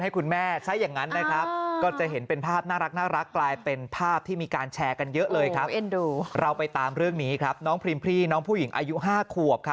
คุณแม่อยู่อีกด้านหนึ่งลูก